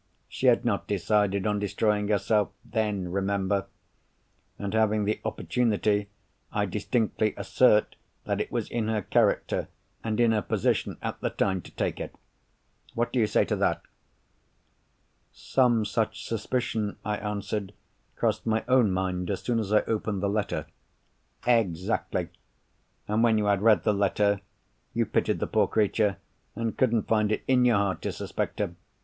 She had not decided on destroying herself, then, remember; and, having the opportunity, I distinctly assert that it was in her character, and in her position at the time, to take it. What do you say to that?" "Some such suspicion," I answered, "crossed my own mind, as soon as I opened the letter." "Exactly! And when you had read the letter, you pitied the poor creature, and couldn't find it in your heart to suspect her.